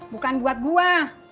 bukan buat gue